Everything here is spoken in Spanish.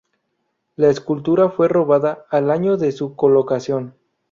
La escultura fue robada al año de su colocación.